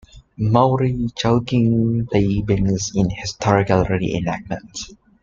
Maury Chaykin played Banks in historical reenactments.